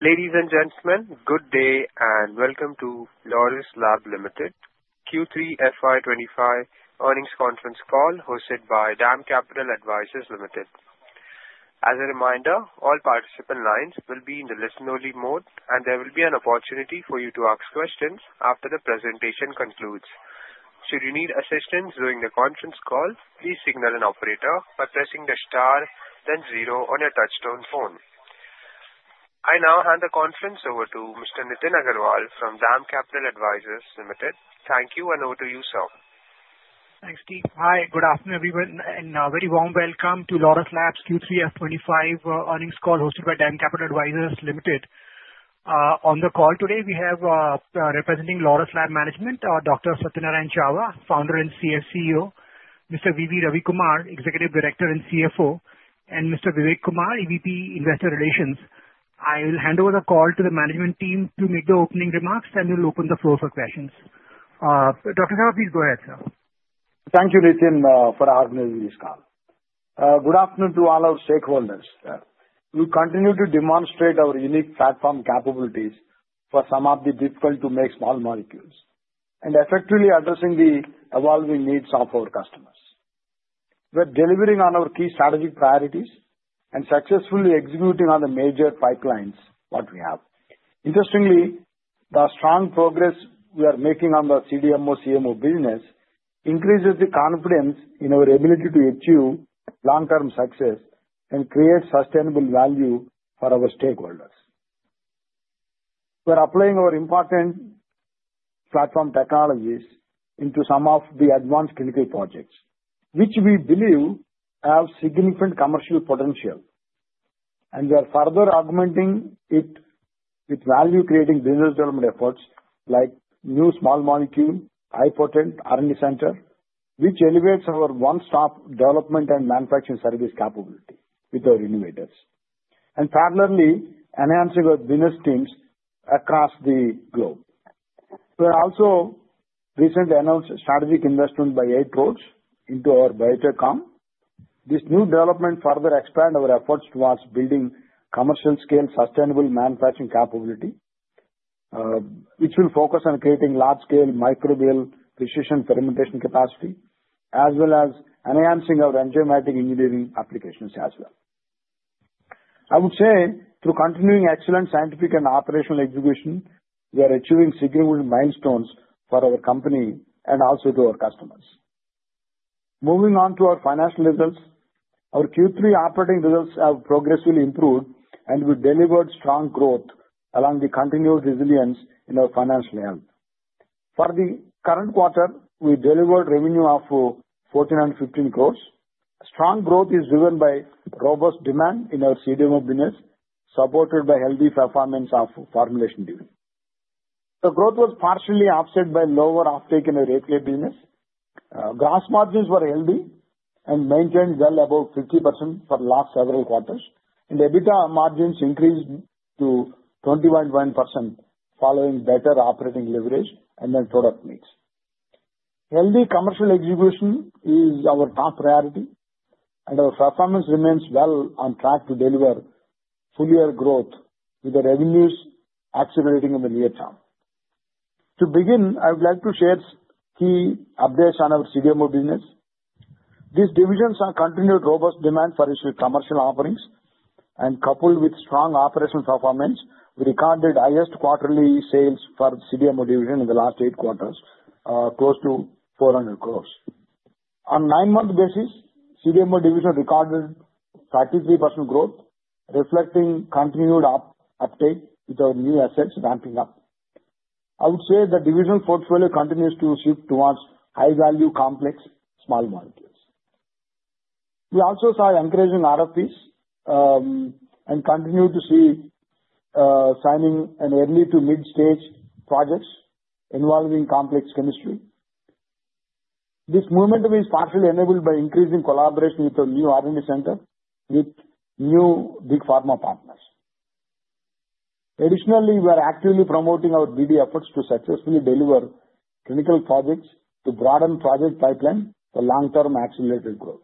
Ladies and gentlemen, good day and welcome to Laurus Labs Limited Q3 FY2025 earnings conference call hosted by DAM Capital Advisors Limited. As a reminder, all participant lines will be in the listen-only mode, and there will be an opportunity for you to ask questions after the presentation concludes. Should you need assistance during the conference call, please signal an operator by pressing the star then zero on your touch-tone phone. I now hand the conference over to Mr. Nitin Agarwal from DAM Capital Advisors Limited. Thank you, and over to you, sir. Thanks, Steve. Hi, good afternoon, everyone, and a very warm welcome to Laurus Labs Q3 FY2025 earnings call hosted by DAM Capital Advisors Limited. On the call today, we have representing Laurus Labs Management, Dr. Satyanarayana Chava, founder and CEO, Mr. V. V. Ravi Kumar, Executive Director and CFO, and Mr. Vivek Kumar, EVP Investor Relations. I will hand over the call to the management team to make the opening remarks, and we'll open the floor for questions. Dr. Chava, please go ahead, sir. Thank you, Nitin, for organizing this call. Good afternoon to all our stakeholders. We continue to demonstrate our unique platform capabilities for some of the difficult-to-make small molecules and effectively addressing the evolving needs of our customers. We're delivering on our key strategic priorities and successfully executing on the major pipelines that we have. Interestingly, the strong progress we are making on the CDMO-CMO business increases the confidence in our ability to achieve long-term success and create sustainable value for our stakeholders. We're applying our important platform technologies into some of the advanced clinical projects, which we believe have significant commercial potential, and we're further augmenting it with value-creating business development efforts like new small molecule high-potent R&D center, which elevates our one-stop development and manufacturing service capability with our innovators, and parallelly enhancing our business teams across the globe. We also recently announced strategic investment by Eight Roads Ventures into our biotech arm. This new development further expands our efforts towards building commercial-scale sustainable manufacturing capability, which will focus on creating large-scale microbial precision fermentation capacity, as well as enhancing our enzymatic engineering applications as well. I would say, through continuing excellent scientific and operational execution, we are achieving significant milestones for our company and also to our customers. Moving on to our financial results, our Q3 operating results have progressively improved, and we've delivered strong growth along with the continued resilience in our financial health. For the current quarter, we delivered revenue of 1,415 crores. Strong growth is driven by robust demand in our CDMO business, supported by healthy performance of formulations business. The growth was partially offset by lower offtake in our API business. Gross margins were healthy and maintained well above 50% for the last several quarters, and EBITDA margins increased to 21.1% following better operating leverage and then product mix. Healthy commercial execution is our top priority, and our performance remains well on track to deliver full-year growth with the revenues accelerating in the near term. To begin, I would like to share key updates on our CDMO business. There's continued robust demand for commercial offerings, and coupled with strong operational performance, we recorded highest quarterly sales for the CDMO division in the last eight quarters, close to 400 crores. On a nine-month basis, CDMO division recorded 33% growth, reflecting continued uptake with our new assets ramping up. I would say the division portfolio continues to shift towards high-value complex small molecules. We also saw encouraging RFPs and continue to see signing in early to mid-stage projects involving complex chemistry. This movement was partially enabled by increasing collaboration with our new R&D center with new big pharma partners. Additionally, we are actively promoting our BD efforts to successfully deliver clinical projects to broaden project pipeline for long-term accelerated growth.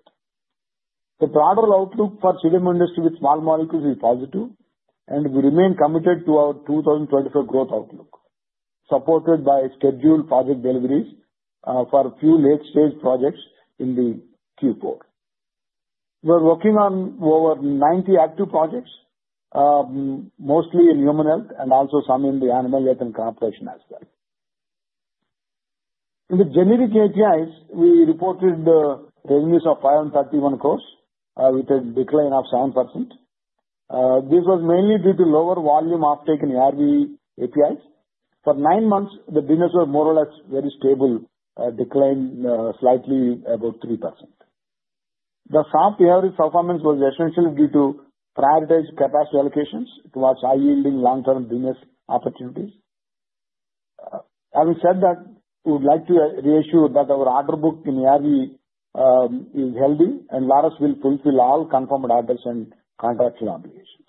The broader outlook for the CDMO industry with small molecules is positive, and we remain committed to our 2024 growth outlook, supported by scheduled project deliveries for a few late-stage projects in the Q4. We're working on over 90 active projects, mostly in human health and also some in the animal health and cooperation as well. In the generic APIs, we reported revenues of 531 crores with a decline of 7%. This was mainly due to lower volume of ARV APIs. For nine months, the business was more or less very stable, declined slightly about 3%. The softer ARV performance was essentially due to prioritized capacity allocations towards high-yielding long-term business opportunities. Having said that, we would like to reassure that our order book in ARV is healthy, and Laurus will fulfill all confirmed orders and contractual obligations.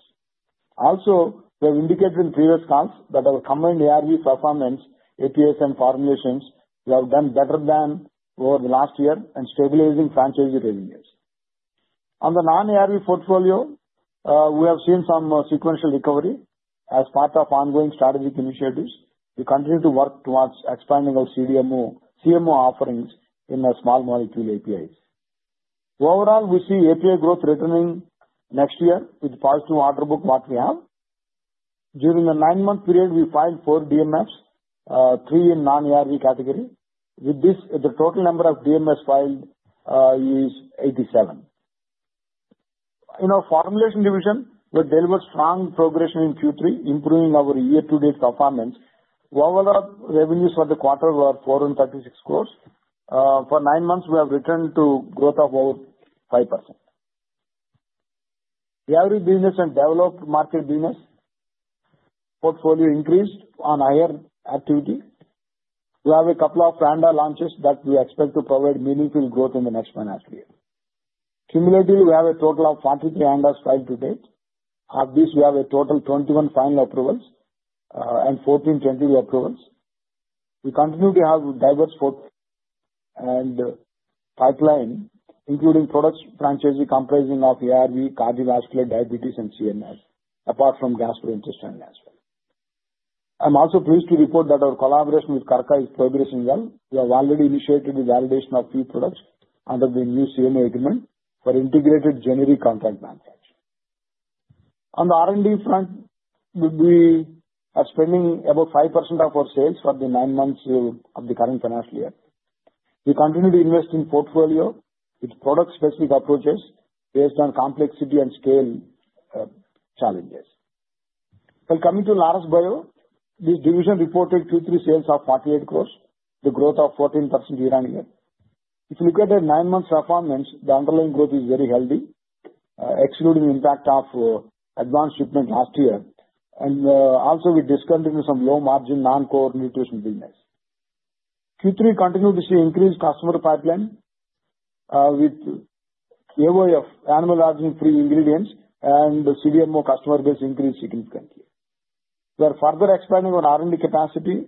Also, we have indicated in previous calls that our combined ARV performance, APIs, and formulations have done better than over the last year and stabilizing franchise revenues. On the non-ARV portfolio, we have seen some sequential recovery as part of ongoing strategic initiatives. We continue to work towards expanding our CDMO offerings in our small molecule APIs. Overall, we see API growth returning next year with positive order book that we have. During the nine-month period, we filed four DMFs, three in non-ARV category. With this, the total number of DMFs filed is 87. In our formulation division, we delivered strong progression in Q3, improving our year-to-date performance. Overall revenues for the quarter were 436 crores. For nine months, we have returned to growth of over 5%. ARV business and developed market business portfolio increased on higher activity. We have a couple of ANDA launches that we expect to provide meaningful growth in the next financial year. Cumulatively, we have a total of 43 ANDAs filed to date. Of these, we have a total of 21 final approvals and 14 tentative approvals. We continue to have diverse pipeline, including product franchises comprising of ARV, cardiovascular, diabetes, and CNS, apart from gastrointestinal as well. I'm also pleased to report that our collaboration with KRKA is progressing well. We have already initiated the validation of a few products under the new CMA agreement for integrated generic contract manufacturing. On the R&D front, we are spending about 5% of our sales for the nine months of the current financial year. We continue to invest in portfolio with product-specific approaches based on complexity and scale challenges. When coming to Laurus Bio, this division reported Q3 sales of 48 crores, with a growth of 14% year-on-year. If you look at the nine-month performance, the underlying growth is very healthy, excluding the impact of advanced treatment last year, and also with discontinuing some low-margin non-core nutrition business. Q3 continued to see increased customer pipeline with AOF, animal origin-free ingredients, and the CDMO customer base increased significantly. We are further expanding our R&D capacity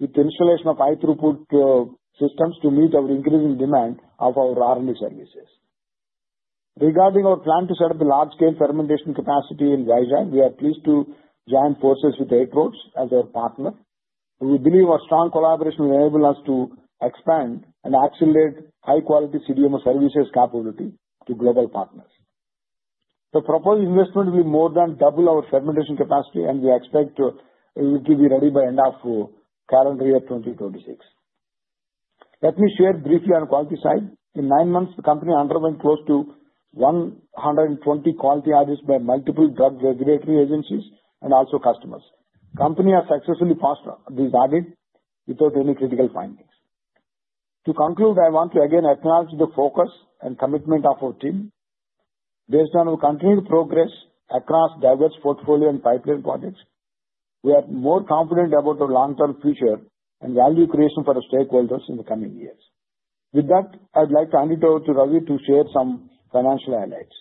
with the installation of high-throughput systems to meet our increasing demand of our R&D services. Regarding our plan to set up a large-scale fermentation capacity in Genome Valley, we are pleased to join forces with Eight Roads as our partner. We believe our strong collaboration will enable us to expand and accelerate high-quality CDMO services capability to global partners. The proposed investment will be more than double our fermentation capacity, and we expect to be ready by the end of calendar year 2026. Let me share briefly on the quality side. In nine months, the company underwent close to 120 quality audits by multiple drug regulatory agencies and also customers. The company has successfully passed these audits without any critical findings. To conclude, I want to again acknowledge the focus and commitment of our team. Based on our continued progress across diverse portfolio and pipeline projects, we are more confident about our long-term future and value creation for our stakeholders in the coming years. With that, I'd like to hand it over to Ravi to share some financial highlights.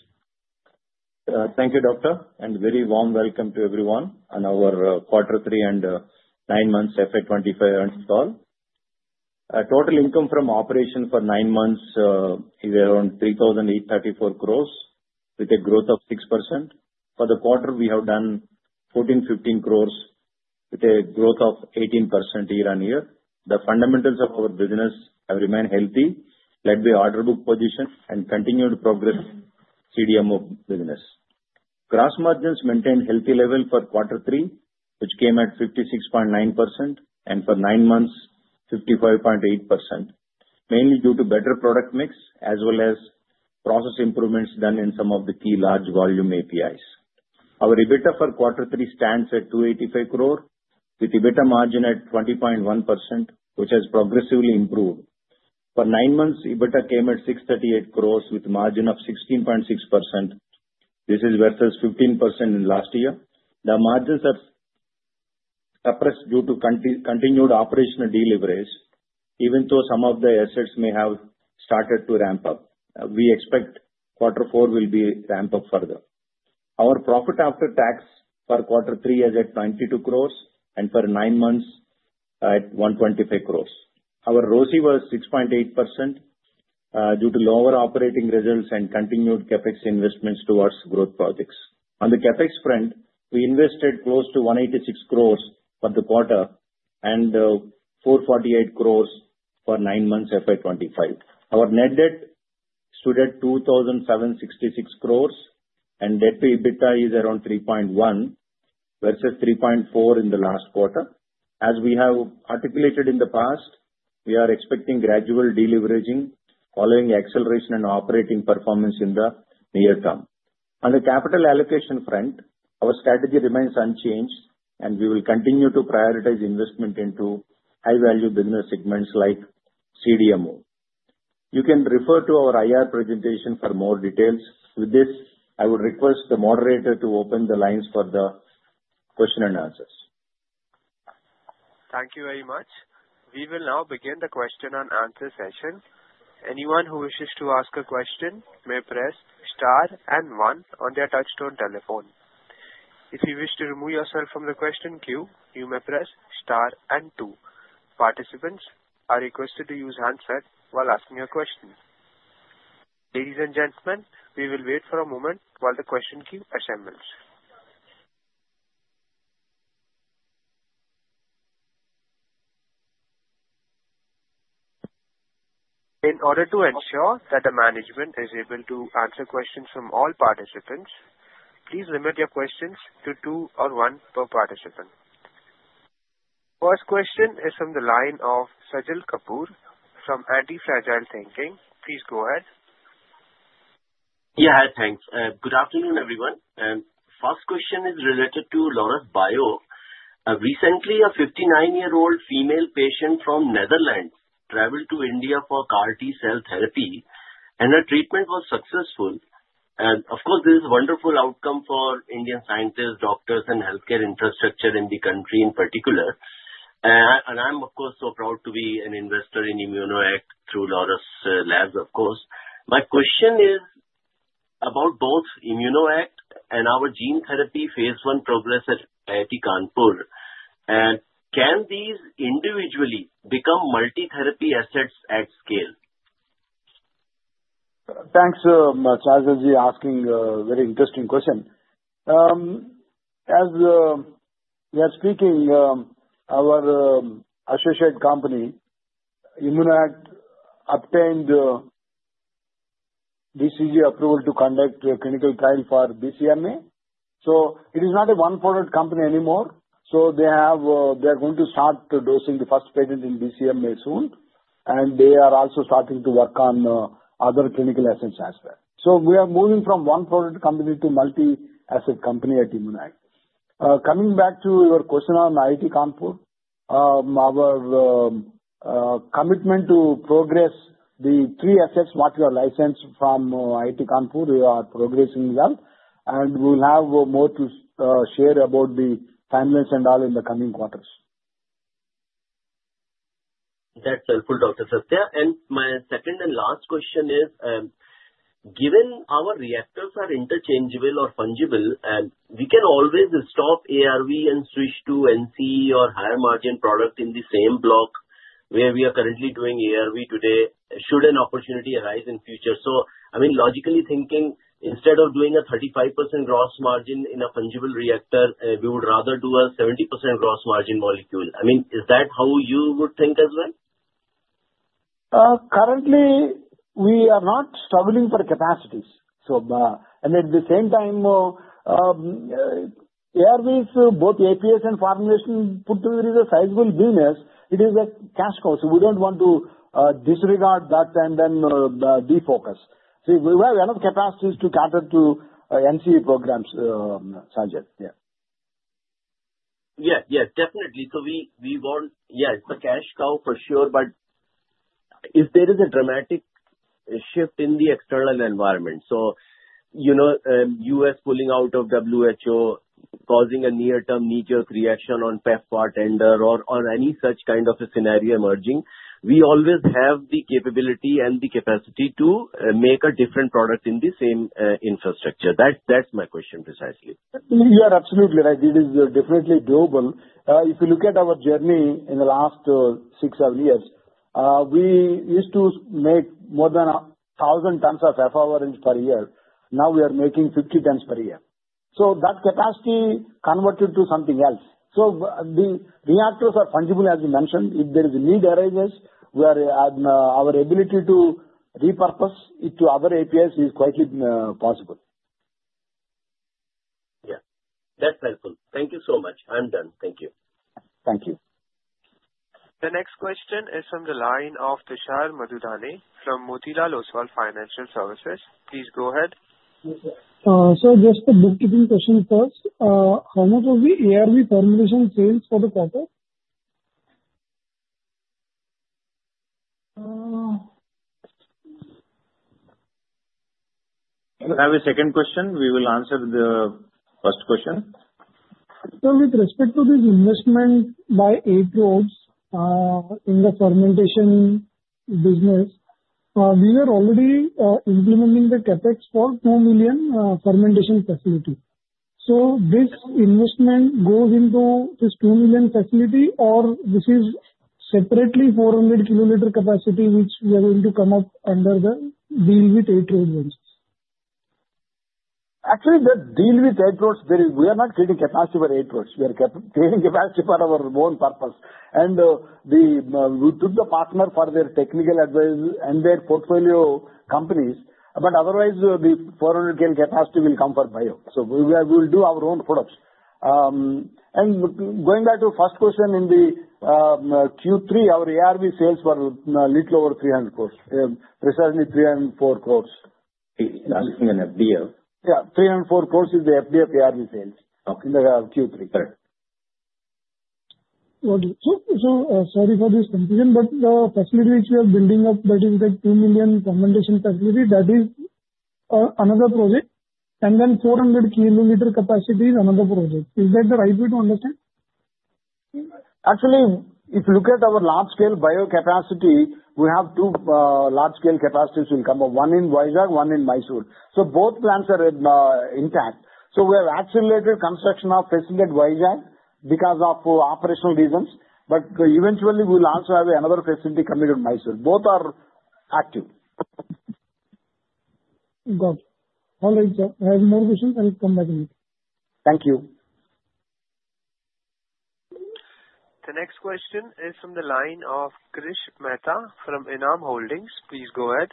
Thank you, Doctor, and very warm welcome to everyone on our quarter three and nine-month FY2025 earnings call. Total income from operation for nine months is around 3,834 crores, with a growth of 6%. For the quarter, we have done 1,415 crores, with a growth of 18% year-on-year. The fundamentals of our business have remained healthy, led by order book position and continued progress in CDMO business. Gross margins maintained healthy level for quarter three, which came at 56.9%, and for nine months, 55.8%, mainly due to better product mix as well as process improvements done in some of the key large volume APIs. Our EBITDA for quarter three stands at 285 crore, with EBITDA margin at 20.1%, which has progressively improved. For nine months, EBITDA came at 638 crore, with a margin of 16.6%. This is versus 15% in last year. The margins are suppressed due to continued operational deleverage, even though some of the assets may have started to ramp up. We expect quarter four will ramp up further. Our profit after tax for quarter three is at 92 crore, and for nine months, at 125 crore. Our ROCE was 6.8% due to lower operating results and continued CapEx investments towards growth projects. On the CapEx front, we invested close to 186 crore for the quarter and 448 crore for nine months FY2025. Our net debt stood at 2,766 crore, and debt to EBITDA is around 3.1% versus 3.4% in the last quarter. As we have articulated in the past, we are expecting gradual deleveraging following acceleration in operating performance in the near term. On the capital allocation front, our strategy remains unchanged, and we will continue to prioritize investment into high-value business segments like CDMO. You can refer to our IR presentation for more details. With this, I would request the moderator to open the lines for the question and answers. Thank you very much. We will now begin the question-and-answer session. Anyone who wishes to ask a question may press star and one on their touch-tone telephone. If you wish to remove yourself from the question queue, you may press star and two. Participants are requested to use handset while asking a question. Ladies and gentlemen, we will wait for a moment while the question queue assembles. In order to ensure that the management is able to answer questions from all participants, please limit your questions to two or one per participant. First question is from the line of Sajal Kapoor from Antifragile Thinking. Please go ahead. Yeah, hi, thanks. Good afternoon, everyone. First question is related to Laurus Bio. Recently, a 59-year-old female patient from Netherlands traveled to India for CAR-T cell therapy, and her treatment was successful. Of course, this is a wonderful outcome for Indian scientists, doctors, and healthcare infrastructure in the country in particular, and I'm, of course, so proud to be an investor in ImmunoACT through Laurus Labs, of course. My question is about both ImmunoACT and our gene therapy phase I progress at IIT Kanpur. Can these individually become multi-therapy assets at scale? Thanks so much. Sajal asking a very interesting question. As we are speaking, our associate company, ImmunoACT, obtained DCGI approval to conduct a clinical trial for BCMA. So it is not a one-product company anymore. So they are going to start dosing the first patient in BCMA soon, and they are also starting to work on other clinical assets as well. So we are moving from one-product company to multi-asset company at ImmunoACT. Coming back to your question on IIT Kanpur, our commitment to progress the three assets that we are licensed from IIT Kanpur are progressing well, and we'll have more to share about the timelines and all in the coming quarters. That's helpful, Dr. Satya. And my second and last question is, given our reactors are interchangeable or fungible, we can always stop ARV and switch to NCE or higher margin product in the same block where we are currently doing ARV today should an opportunity arise in the future. So, I mean, logically thinking, instead of doing a 35% gross margin in a fungible reactor, we would rather do a 70% gross margin molecule. I mean, is that how you would think as well? Currently, we are not struggling for capacities. At the same time, ARVs, both APIs and formulation put together, is a sizable business. It is a cash cow. We don't want to disregard that and then defocus. We have enough capacities to cater to NCE programs, Sajal. Yeah. Yeah, yeah, definitely. So we want, yeah, it's a cash cow for sure, but if there is a dramatic shift in the external environment, so U.S. pulling out of WHO, causing a near-term knee-jerk reaction on PEPFAR tender or any such kind of a scenario emerging, we always have the capability and the capacity to make a different product in the same infrastructure. That's my question precisely. You are absolutely right. It is definitely doable. If you look at our journey in the last six, seven years, we used to make more than 1,000 tons of Efavirenz per year. Now we are making 50 tons per year. So that capacity converted to something else. So the reactors are fungible, as you mentioned. If there is a need arises, our ability to repurpose it to other APS is quite possible. Yeah, that's helpful. Thank you so much. I'm done. Thank you. Thank you. The next question is from the line of Tushar Manudhane from Motilal Oswal Financial Services. Please go ahead. So just a bookkeeping question first. How much will the ARV formulation sales for the quarter? I have a second question. We will answer the first question. So with respect to this investment by Eight Roads in the fermentation business, we are already implementing the CapEx for 2 million fermentation facility. So this investment goes into this 2 million facility, or this is separately 400 kiloliters capacity, which we are going to come up under the deal with Eight Roads? Actually, the deal with Eight Roads, we are not creating capacity for Eight Roads. We are creating capacity for our own purpose. And we took the partner for their technical advice and their portfolio companies. But otherwise, the 400 kilo capacity will come for Laurus Bio. So we will do our own products. And going back to the first question in the Q3, our ARV sales were a little over 300 crores, precisely 304 crores. I'm looking at FDF. Yeah, 304 crores is the FDF ARV sales in the Q3. Okay. Sorry for this confusion, but the facility which we are building up, that is that 2 million fermentation facility, that is another project, and then 400 kiloliters capacity is another project. Is that the right way to understand? Actually, if you look at our large-scale bio capacity, we have two large-scale capacities will come up, one in Vizag, one in Mysuru. So both plants are intact. So we have accelerated construction of facility at Vizag because of operational reasons. But eventually, we'll also have another facility coming to Mysuru. Both are active. Got it. All right, sir. I have more questions, and I'll come back to you. Thank you. The next question is from the line of Krish Mehta from Enam Holdings. Please go ahead.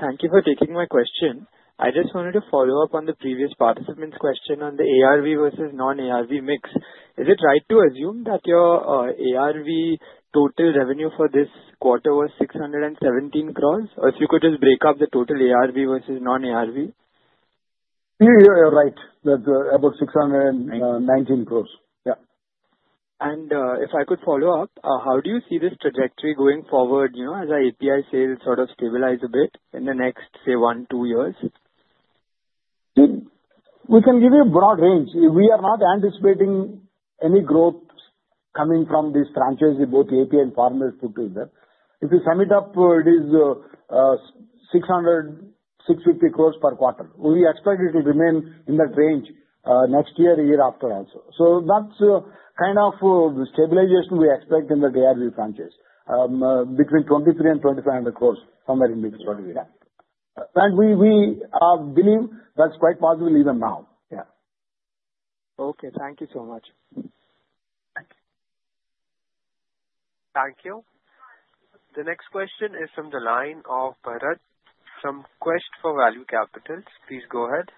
Thank you for taking my question. I just wanted to follow up on the previous participant's question on the ARV versus non-ARV mix. Is it right to assume that your ARV total revenue for this quarter was 617 crores? Or if you could just break up the total ARV versus non-ARV? You're right. That's about 619 crores. Yeah. If I could follow up, how do you see this trajectory going forward as our API sales sort of stabilize a bit in the next, say, one to two years? We can give you a broad range. We are not anticipating any growth coming from these franchises, both AP and formulation put together. If you sum it up, it is 650 crores per quarter. We expect it will remain in that range next year, year after also. So that's kind of stabilization we expect in the ARV franchise, between 23 and 2500 crores, somewhere in between. And we believe that's quite possible even now. Yeah. Okay. Thank you so much. Thank you. Thank you. The next question is from the line of Bharat from Quest for Value Capital. Please go ahead.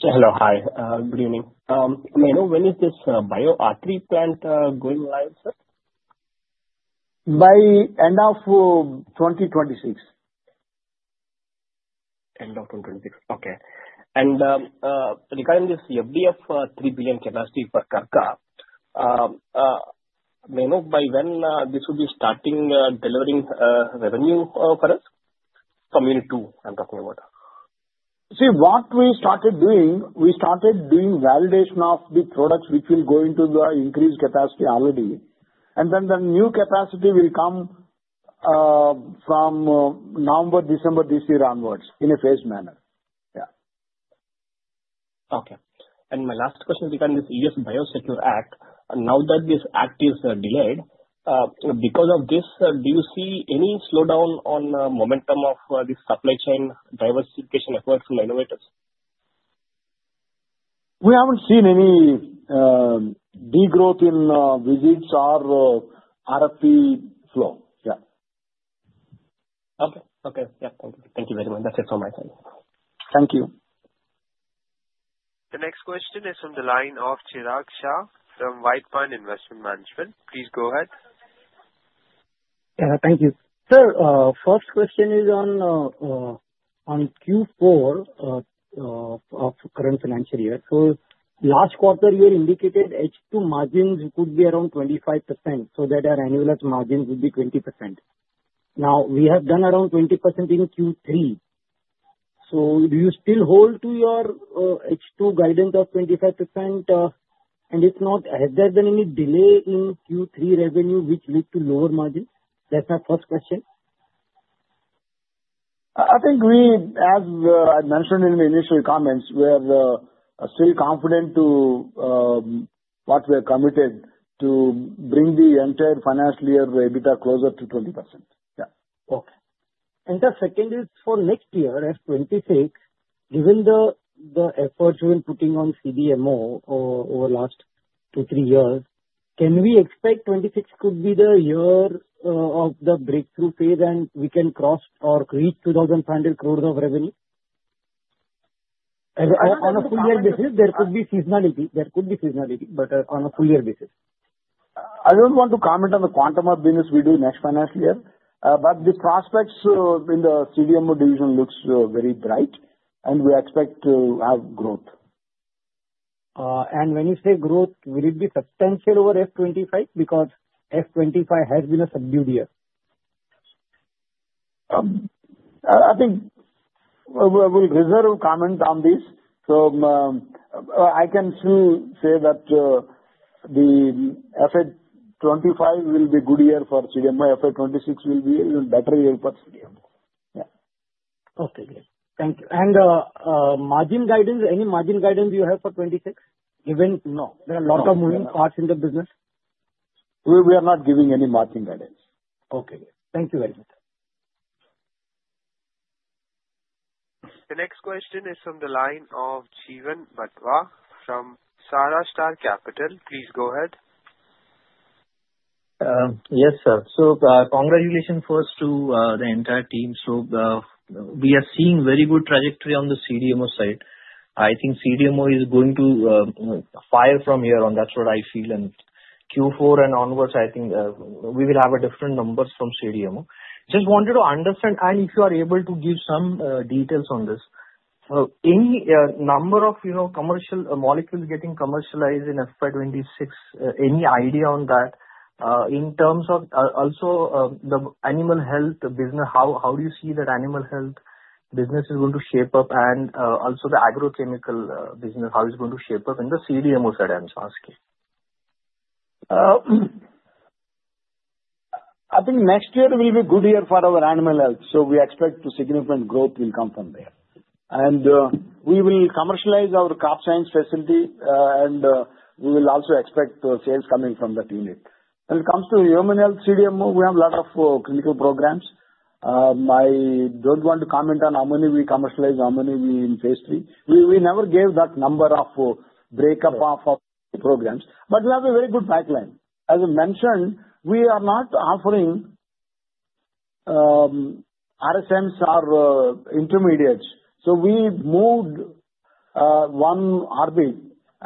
Hello. Hi. Good evening. May I know when is this Bio R3 plant going live, sir? By end of 2026. End of 2026. Okay. And regarding this FDF INR 3 billion capacity for KRKA, may I know by when this will be starting delivering revenue for us? From year two, I'm talking about. See, what we started doing, we started doing validation of the products which will go into the increased capacity already, and then the new capacity will come from November, December this year onwards in a phased manner. Yeah. Okay. And my last question regarding this U.S. BIOSECURE Act. Now that this act is delayed, because of this, do you see any slowdown on the momentum of this supply chain diversification effort from innovators? We haven't seen any degrowth in visits or RFP flow. Yeah. Okay. Okay. Yeah. Thank you. Thank you very much. That's it from my side. Thank you. The next question is from the line of Chirag Shah from White Pine Investment Management. Please go ahead. Thank you. Sir, first question is on Q4 of current financial year. So last quarter, you had indicated H2 margins could be around 25%. So that our annualized margin would be 20%. Now, we have done around 20% in Q3. So do you still hold to your H2 guidance of 25%? And has there been any delay in Q3 revenue which led to lower margins? That's my first question. I think we, as I mentioned in the initial comments, we are still confident in what we have committed to bring the entire financial year EBITDA closer to 20%. Yeah. Okay. And the second is for next year, FY2026, given the efforts we've been putting on CDMO over the last two, three years, can we expect 26 could be the year of the breakthrough phase and we can cross or reach 2,500 crores of revenue? On a full-year basis, there could be seasonality, but on a full-year basis. I don't want to comment on the quantum of business we do next financial year, but the prospects in the CDMO division look very bright, and we expect to have growth. When you say growth, will it be substantial over FY2025? Because FY2025 has been a subdued year. I think we'll reserve comments on this. So I can still say that the FY2025 will be a good year for CDMO. FY2026 will be a better year for CDMO. Yeah. Okay. Great. Thank you. And margin guidance, any margin guidance you have for 2026? Even though there are a lot of moving parts in the business. We are not giving any margin guidance. Okay. Thank you very much. The next question is from the line of Jeevan Patwa from Sahasrar Capital. Please go ahead. Yes, sir. So congratulations first to the entire team. So we are seeing very good trajectory on the CDMO side. I think CDMO is going to fire from here on. That's what I feel. And Q4 and onwards, I think we will have different numbers from CDMO. Just wanted to understand, and if you are able to give some details on this, any number of commercial molecules getting commercialized in FY2026, any idea on that in terms of also the animal health business? How do you see that animal health business is going to shape up? And also the agrochemical business, how is it going to shape up in the CDMO side I'm asking? I think next year will be a good year for our animal health. So we expect significant growth will come from there. And we will commercialize our Crop Science facility, and we will also expect sales coming from that unit. When it comes to human health, CDMO, we have a lot of clinical programs. I don't want to comment on how many we commercialize, how many we phase three. We never gave that number of breakup of programs. But we have a very good pipeline. As I mentioned, we are not offering RSMs or intermediates. So we moved one orbit,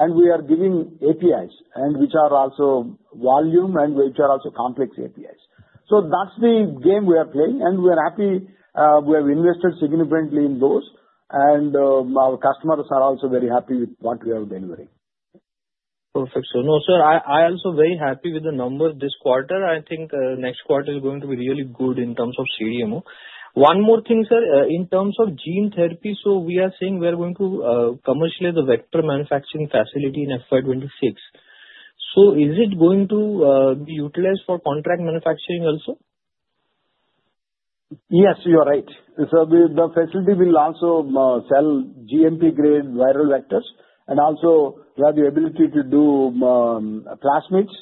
and we are giving APIs, which are also volume and which are also complex APIs. So that's the game we are playing, and we are happy. We have invested significantly in those, and our customers are also very happy with what we are delivering. Perfect. So no, sir, I am also very happy with the numbers this quarter. I think next quarter is going to be really good in terms of CDMO. One more thing, sir, in terms of gene therapy, so we are saying we are going to commercialize the vector manufacturing facility in FY2026. So is it going to be utilized for contract manufacturing also? Yes, you are right, so the facility will also sell GMP-grade viral vectors and also have the ability to do plasmids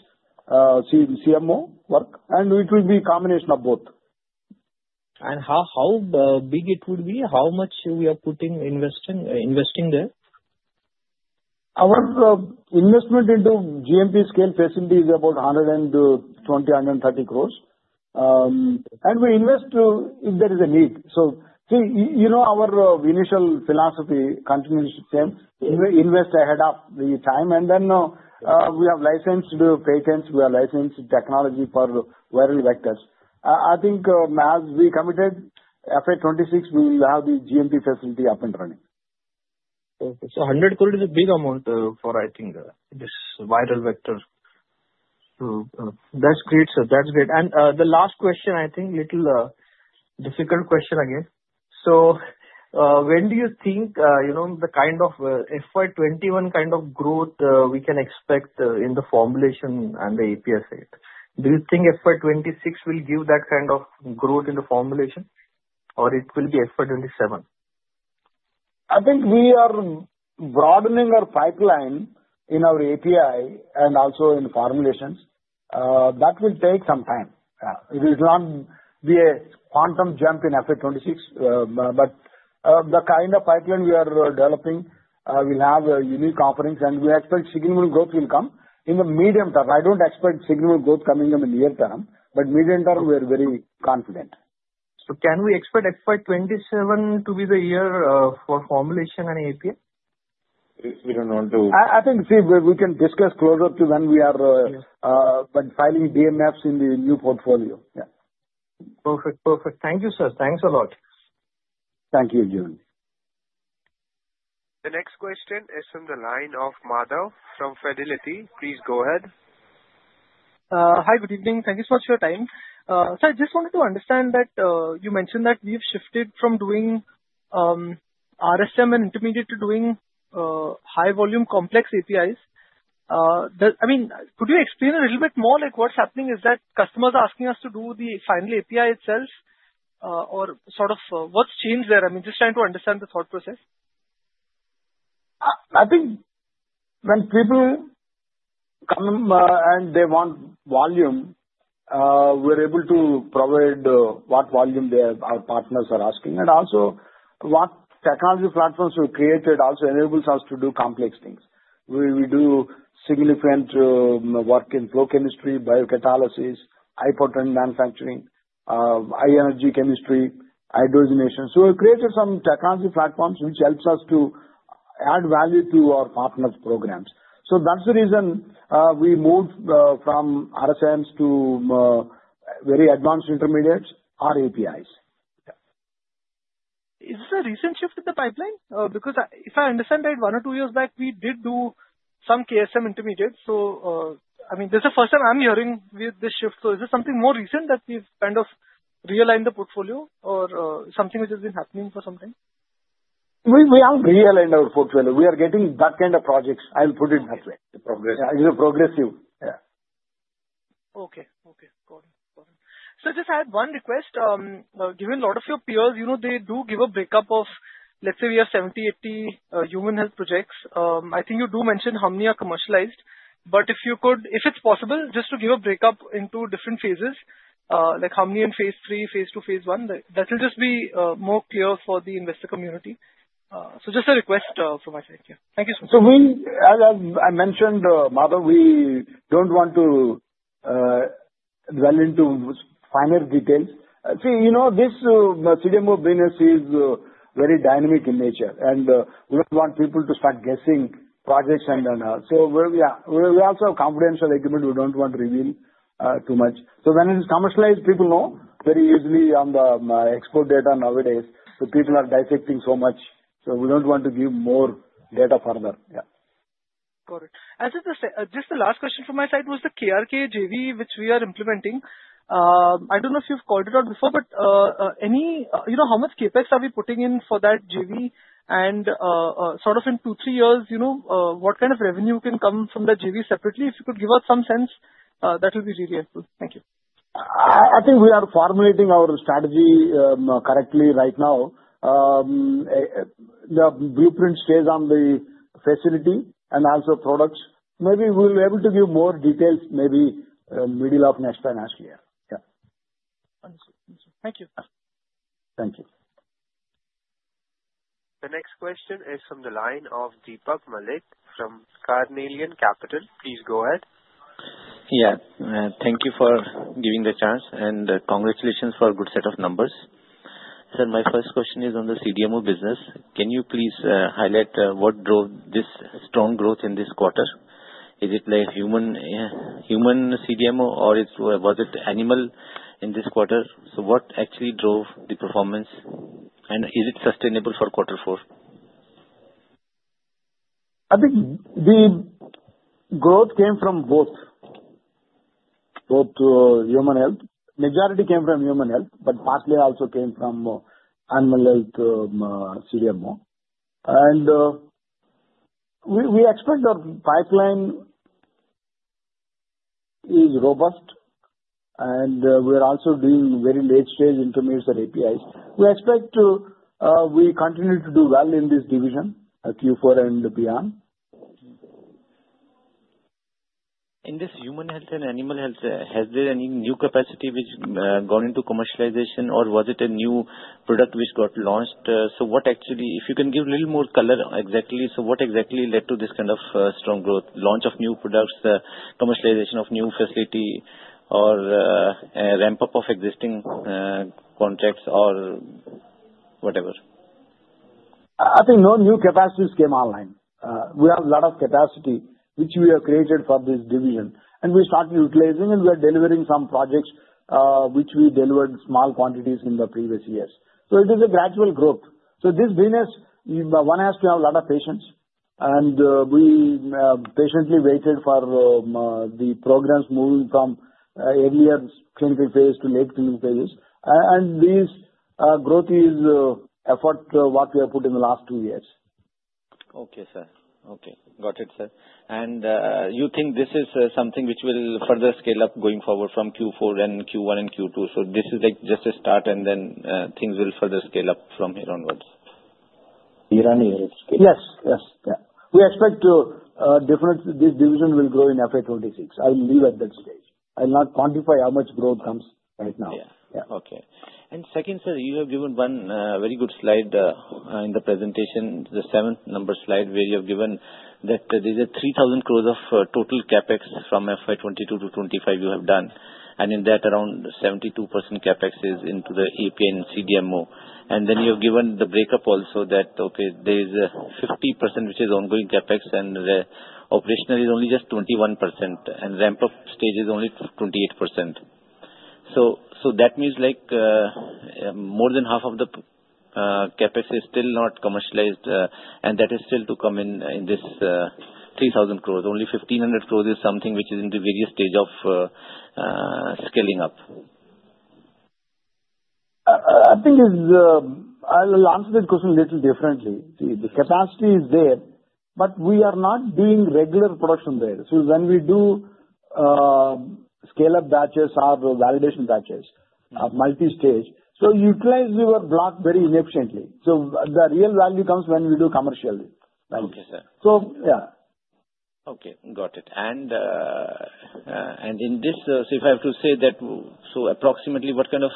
CMO work, and it will be a combination of both. How big it would be? How much we are putting investing there? Our investment into GMP-scale facility is about 120-130 crores. And we invest if there is a need. So our initial philosophy continues to invest ahead of the time. And then we have licensed patents. We have licensed technology for viral vectors. I think as we committed, FY2026, we will have the GMP facility up and running. Perfect. So INR 100 crores is a big amount for, I think, this viral vector. That's great, sir. That's great. And the last question, I think, a little difficult question again. So when do you think the kind of FY2021 kind of growth we can expect in the formulation and the APIs side? Do you think FY2026 will give that kind of growth in the formulation, or it will be FY2027? I think we are broadening our pipeline in our API and also in formulations. That will take some time. It will not be a quantum jump in FY2026. But the kind of pipeline we are developing will have unique offerings, and we expect significant growth will come in the medium term. I don't expect significant growth coming in the near term, but medium term, we are very confident. So can we expect FY2027 to be the year for formulation and API? If we don't want to. I think, see, we can discuss closer to when we are filing DMFs in the new portfolio. Yeah. Perfect. Perfect. Thank you, sir. Thanks a lot. Thank you, Jeevan. The next question is from the line of Madhav from Fidelity. Please go ahead. Hi, good evening. Thank you so much for your time. Sir, I just wanted to understand that you mentioned that we've shifted from doing RSM and intermediate to doing high volume complex APIs. I mean, could you explain a little bit more? What's happening is that customers are asking us to do the final API itself, or sort of what's changed there? I mean, just trying to understand the thought process. I think when people come and they want volume, we're able to provide what volume our partners are asking. And also, what technology platforms we created also enables us to do complex things. We do significant work in flow chemistry, biocatalysis, high-potent manufacturing, high-energy chemistry, iodination. So we created some technology platforms which helps us to add value to our partners' programs. So that's the reason we moved from RSMs to very advanced intermediates or APIs. Is this a recent shift in the pipeline? Because if I understand right, one or two years back, we did do some KSM intermediates. So I mean, this is the first time I'm hearing this shift. So is this something more recent that we've kind of realigned the portfolio or something which has been happening for some time? We have realigned our portfolio. We are getting that kind of projects. I'll put it that way. Progressive. Yeah. It's a progressive. Yeah. Okay. Okay. Got it. Got it. So, just, I have one request. Given a lot of your peers, they do give a breakup of, let's say, we have 70, 80 human health projects. I think you do mention how many are commercialized. But if it's possible, just to give a breakup into different phases, like how many in phase three, phase two, phase one, that will just be more clear for the investor community. So, just a request from my side. Yeah. Thank you so much. As I mentioned, Madhav, we don't want to delve into finer details. See, this CDMO business is very dynamic in nature, and we don't want people to start guessing projects and so yeah. We also have confidential agreement. We don't want to reveal too much. So when it is commercialized, people know very easily on the export data nowadays. So people are dissecting so much. So we don't want to give more data further. Yeah. Got it. Just the last question from my side was the KRKA JV, which we are implementing. I don't know if you've called it out before, but how much CapEx are we putting in for that JV? And sort of in two, three years, what kind of revenue can come from that JV separately? If you could give us some sense, that will be really helpful. Thank you. I think we are formulating our strategy correctly right now. The blueprint stays on the facility and also products. Maybe we'll be able to give more details maybe middle of next financial year. Yeah. Understood. Understood. Thank you. Thank you. The next question is from the line of Deepak Malik from Carnelian Asset Management & Advisors. Please go ahead. Yeah. Thank you for giving the chance, and congratulations for a good set of numbers. Sir, my first question is on the CDMO business. Can you please highlight what drove this strong growth in this quarter? Is it human CDMO, or was it animal in this quarter? So what actually drove the performance? And is it sustainable for quarter four? I think the growth came from both. Both human health. Majority came from human health, but partly also came from animal health CDMO, and we expect our pipeline is robust, and we are also doing very late-stage intermediates and APIs. We expect to continue to do well in this division, Q4 and beyond. In this human health and animal health, has there any new capacity which has gone into commercialization, or was it a new product which got launched? So if you can give a little more color exactly, so what exactly led to this kind of strong growth, launch of new products, commercialization of new facility, or ramp-up of existing contracts or whatever? I think no new capacities came online. We have a lot of capacity which we have created for this division, and we started utilizing, and we are delivering some projects which we delivered small quantities in the previous years, so it is a gradual growth, so this business, one has to have a lot of patience. And we patiently waited for the programs moving from earlier clinical phase to late clinical phases, and this growth is effort what we have put in the last two years. Okay, sir. Okay. Got it, sir. And you think this is something which will further scale up going forward from Q4 and Q1 and Q2? So this is just a start, and then things will further scale up from here onwards? Here and here. Yes. Yes. Yeah. We expect definitely this division will grow in FY2026. I'll leave at that stage. I'll not quantify how much growth comes right now. Yeah. Okay. And second, sir, you have given one very good slide in the presentation, the seventh number slide where you have given that there is 3,000 crores of total CapEx from FY2022-FY2025 you have done. And in that, around 72% CapEx is into the API and CDMO. And then you have given the breakup also that, okay, there is 50% which is ongoing CapEx, and the operational is only just 21%, and ramp-up stage is only 28%. So that means more than half of the CapEx is still not commercialized, and that is still to come in this 3,000 crores. Only 1,500 crores is something which is in the various stage of scaling up. I think I'll answer that question a little differently. The capacity is there, but we are not doing regular production there. So when we do scale-up batches or validation batches of multi-stage, so utilize your block very inefficiently. So the real value comes when we do commercialize. Okay, sir. So yeah. Okay. Got it. And in this, so if I have to say that, so approximately what kind of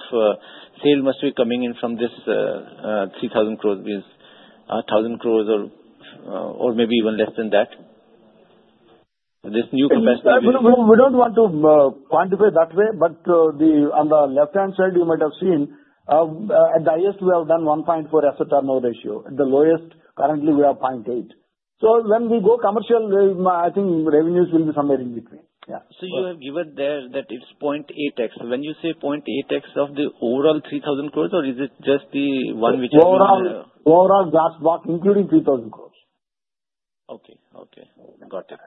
sale must be coming in from this 3,000 crores means 1,000 crores or maybe even less than that? This new capacity. We don't want to quantify that way, but on the left-hand side, you might have seen at the highest, we have done 1.4 asset turnover ratio. At the lowest, currently, we have 0.8. So when we go commercial, I think revenues will be somewhere in between. Yeah. So you have given there that it's 0.8x. When you say 0.8x of the overall 3,000 crores, or is it just the one which is in the. Overall gross block, including 3,000 crores. Okay. Okay. Got it.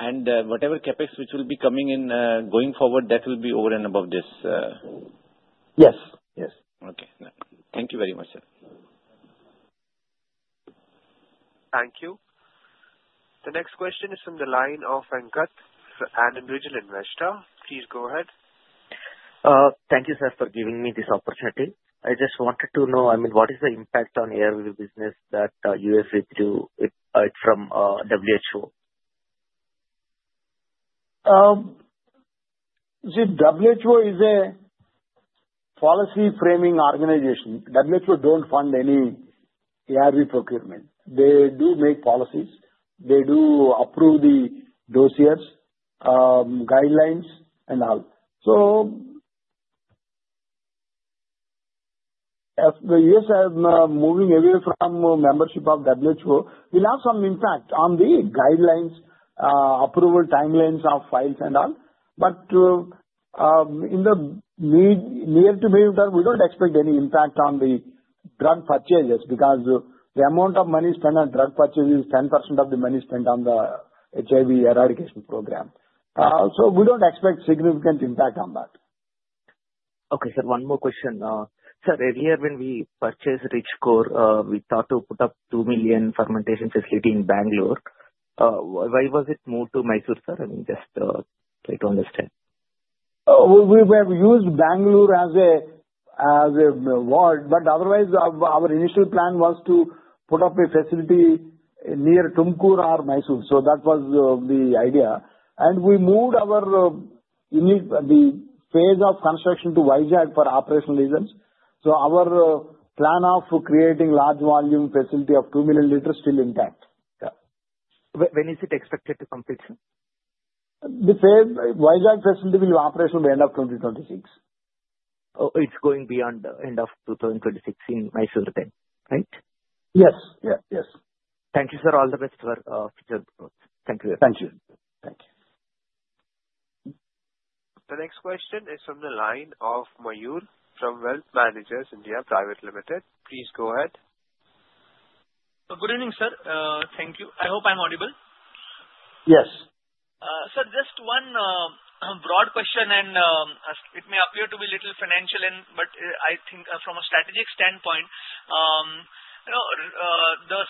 And whatever CapEx which will be coming in going forward, that will be over and above this? Yes. Yes. Okay. Thank you very much, sir. Thank you. The next question is from the line of Venkata Anand, Ridge Investors. Please go ahead. Thank you, sir, for giving me this opportunity. I just wanted to know, I mean, what is the impact on ARV business that USAID do from WHO? See, WHO is a policy-framing organization. WHO don't fund any ARV procurement. They do make policies. They do approve the dossiers, guidelines, and all. So as the U.S. is moving away from membership of WHO, we'll have some impact on the guidelines, approval timelines of files, and all. But in the near to medium term, we don't expect any impact on the drug purchases because the amount of money spent on drug purchases is 10% of the money spent on the HIV eradication program. So we don't expect significant impact on that. Okay, sir. One more question. Sir, earlier when we purchased Richcore, we thought to put up two million fermentation facility in Bangalore. Why was it moved to Mysuru, sir? I mean, just try to understand. We have used Bangalore as a ward, but otherwise, our initial plan was to put up a facility near Tumkur or Mysuru, so that was the idea. We moved the phase of construction to Vizag for operational reasons, so our plan of creating large volume facility of two million liters is still intact. Yeah. When is it expected to complete, sir? The Vizag facility will be operational by end of 2026. It's going beyond end of 2026 in Mysuru time, right? Yes. Yeah. Yes. Thank you, sir. All the best for future growth. Thank you very much. Thank you. Thank you. The next question is from the line of Mayur from Wealth Managers (India) Private Limited. Please go ahead. Good evening, sir. Thank you. I hope I'm audible. Yes. Sir, just one broad question, and it may appear to be a little financial, but I think from a strategic standpoint, the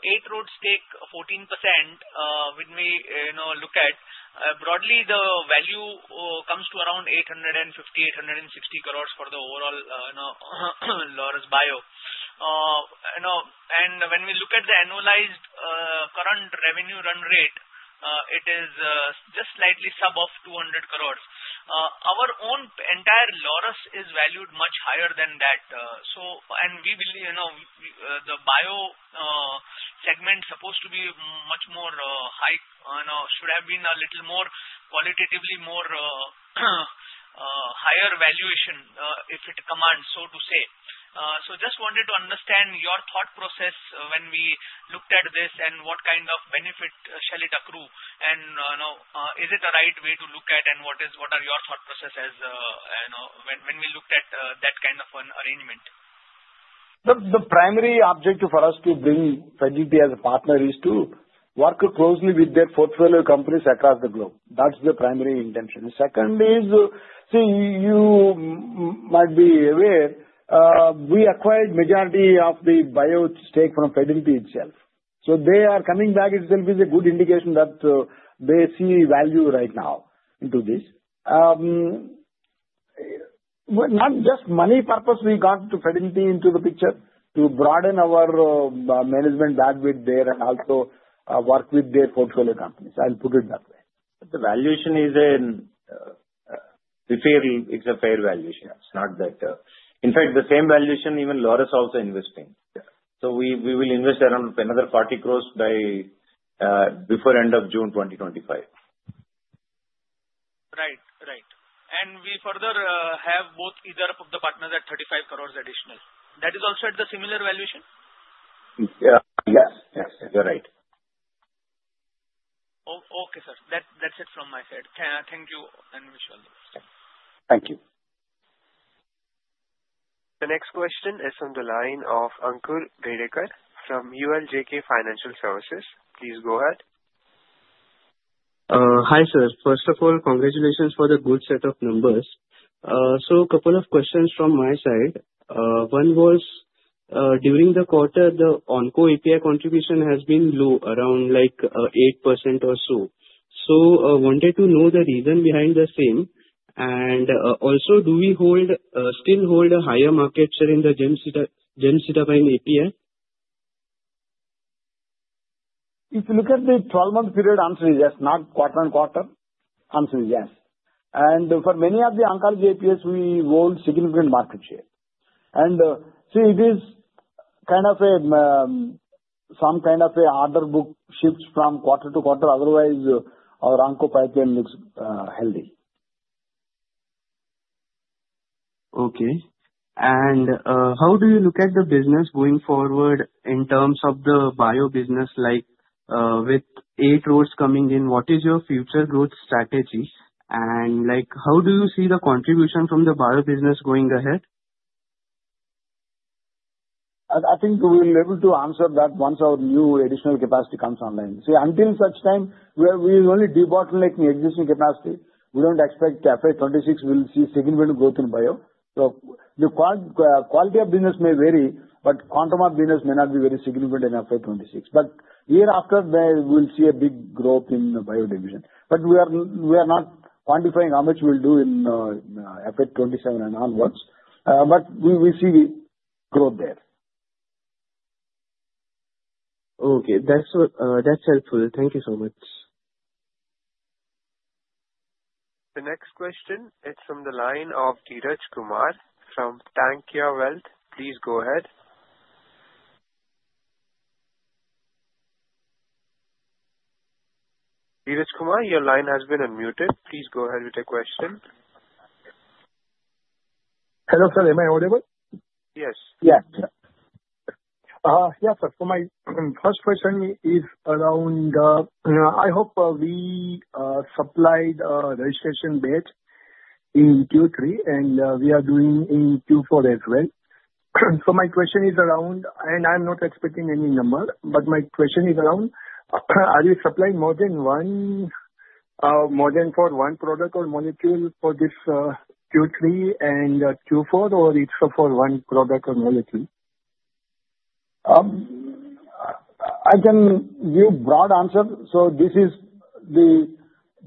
Eight Roads stake, 14%, when we look at broadly, the value comes to around 850 crores-860 crores for the overall Laurus Bio. And when we look at the annualized current revenue run rate, it is just slightly south of 200 crores. Our own entire Laurus is valued much higher than that. And the bio segment is supposed to be much more high, should have been a little more qualitatively more higher valuation if it commands, so to say. So just wanted to understand your thought process when we looked at this and what kind of benefit shall it accrue? And is it a right way to look at, and what are your thought processes when we looked at that kind of an arrangement? The primary objective for us to bring Fidelity as a partner is to work closely with their portfolio companies across the globe. That's the primary intention. The second is, see, you might be aware, we acquired the majority of the Laurus Bio stake from Fidelity itself. So they are coming back. It will be a good indication that they see value right now into this. Not just money purpose, we got Fidelity into the picture to broaden our management bandwidth there and also work with their portfolio companies. I'll put it that way. The valuation is a fair valuation. It's not that. In fact, the same valuation, even Laurus is also investing. So we will invest around another 40 crores by before end of June 2025. Right. Right. And we further have both either of the partners at 35 crores additional. That is also at the similar valuation? Yes. Yes. You're right. Okay, sir. That's it from my side. Thank you. Thank you. The next question is from the line of Ankur Bhadekar from ULJK Financial Services. Please go ahead. Hi, sir. First of all, congratulations for the good set of numbers. So a couple of questions from my side. One was during the quarter, the Onco API contribution has been low, around 8% or so. So I wanted to know the reason behind the same. And also, do we still hold a higher market share in the Gemcitabine API? If you look at the 12-month period, the answer is yes. Not quarter-on-quarter. The answer is yes. And for many of the oncology APIs, we hold significant market share. And see, it is kind of some kind of an order book shift from quarter to quarter. Otherwise, our onco pipeline looks healthy. Okay. And how do you look at the business going forward in terms of the bio business? With Eight Roads coming in, what is your future growth strategy? And how do you see the contribution from the bio business going ahead? I think we'll be able to answer that once our new additional capacity comes online. See, until such time, we will only de-bottleneck existing capacity. We don't expect FY2026 will see significant growth in bio. So the quality of business may vary, but quantum of business may not be very significant in FY2026. But year after, we will see a big growth in the bio division. But we are not quantifying how much we'll do in FY2027 and onwards. But we will see growth there. Okay. That's helpful. Thank you so much. The next question is from the line of Dheeraj Kumar from Tankya Wealth. Please go ahead. Dheeraj Kumar, your line has been unmuted. Please go ahead with your question. Hello, sir. Am I audible? Yes. Yes. Yes, sir. So my first question is around, I hope we supplied registration batch in Q3, and we are doing in Q4 as well. So my question is around, and I'm not expecting any number, but my question is around, are you supplying more than one product or molecule for this Q3 and Q4, or it's for one product or molecule? I can give a broad answer. So this is the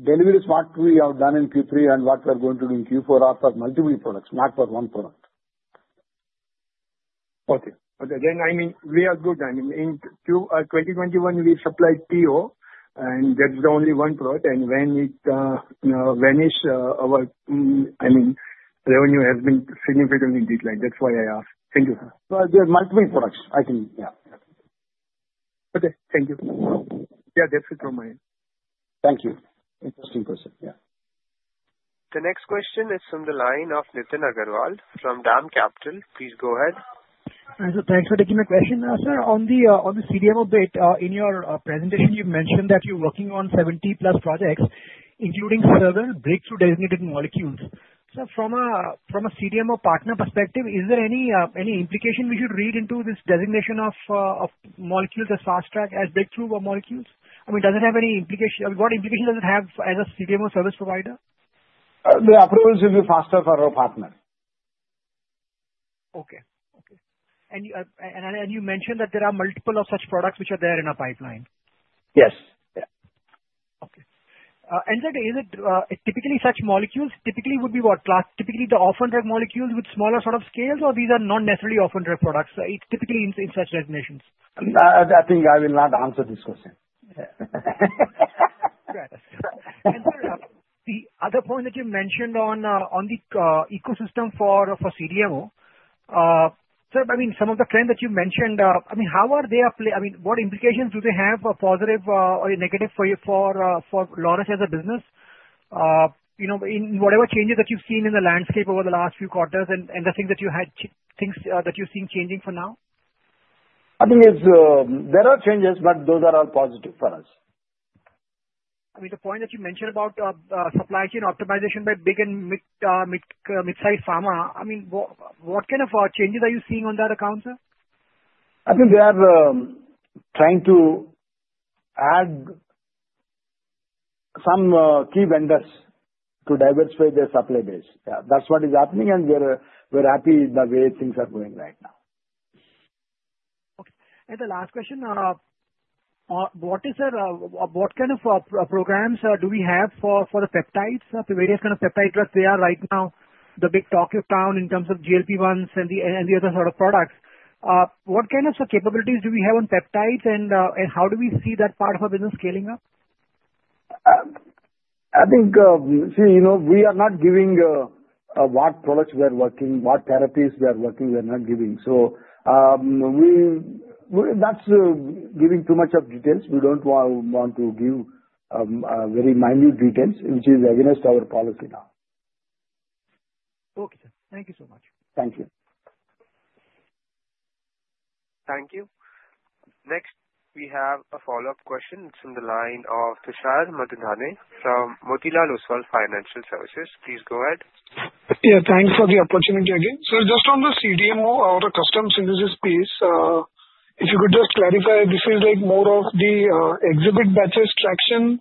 deliveries that we have done in Q3 and what we're going to do in Q4 are for multiple products, not for one product. Okay. Okay. Then, I mean, we are good. I mean, in 2021, we supplied Paxlovid, and that's the only one product. And when it vanished, our, I mean, revenue has been significantly declined. That's why I asked. Thank you. There are multiple products. I think, yeah. Okay. Thank you. Yeah, that's it from my end. Thank you. Interesting question. Yeah. The next question is from the line of Nitin Agarwal from DAM Capital. Please go ahead. Thanks for taking my question, sir. On the CDMO bit, in your presentation, you mentioned that you're working on 70+ projects, including several breakthrough designated molecules. Sir, from a CDMO partner perspective, is there any implication we should read into this designation of molecules as fast track as breakthrough molecules? I mean, does it have any implication? What implication does it have as a CDMO service provider? The approval should be faster for our partner. Okay. And you mentioned that there are multiple of such products which are there in a pipeline. Yes. Yeah. Okay. And is it typically such molecules typically would be what? Typically the off-patent molecules with smaller sort of scales, or these are not necessarily off-patent products? It's typically in such designations. I think I will not answer this question. Right. And sir, the other point that you mentioned on the ecosystem for CDMO, sir, I mean, some of the trends that you mentioned, I mean, how are they? I mean, what implications do they have for positive or negative for Laurus as a business in whatever changes that you've seen in the landscape over the last few quarters and the things that you're seeing changing for now? I think there are changes, but those are all positive for us. I mean, the point that you mentioned about supply chain optimization by big and mid-size pharma, I mean, what kind of changes are you seeing on that account, sir? I think they are trying to add some key vendors to diversify their supply base. That's what is happening, and we're happy the way things are going right now. Okay. And the last question, what kind of programs do we have for the peptides? Various kinds of peptide drugs they are right now the big talk of town in terms of GLP-1s and the other sort of products. What kind of capabilities do we have on peptides, and how do we see that part of our business scaling up? I think, see, we are not giving what products we are working, what therapies we are working, we are not giving. So that's giving too much of details. We don't want to give very minute details, which is against our policy now. Okay, sir. Thank you so much. Thank you. Thank you. Next, we have a follow-up question. It's from the line of Tushar Manudhane from Motilal Oswal Financial Services. Please go ahead. Yeah. Thanks for the opportunity again. Sir, just on the CDMO, our custom synthesis piece, if you could just clarify, this is more of the exhibit batches traction